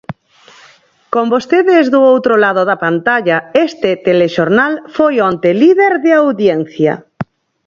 Con vostedes do outro lado da pantalla, este telexornal foi onte líder de audiencia.